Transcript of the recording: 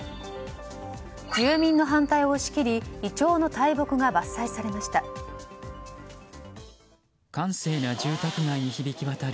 住民の反対を押し切りイチョウの大木が伐採されました。